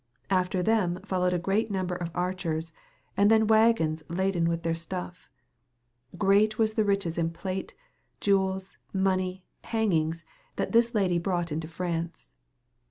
After them folowed a greate nomber of archers and then wagons laden with their stuf. Greate was the riches in plate, iuels, money, and hangynges that this ladye brought into France.